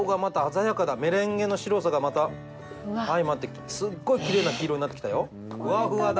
メレンゲの白さがまた相まってすっごいきれいな黄色になってきたよ。